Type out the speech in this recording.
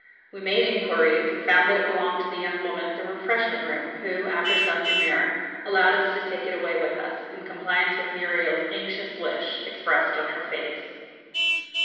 We made inquiries, and found that it belonged to the young woman at the refreshment room, who, after some demur, allowed us to take it away with us, in compliance with Muriel's anxious wish, expressed on her face.